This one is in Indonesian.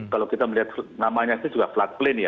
kalau kita melihat namanya itu juga floodplain ya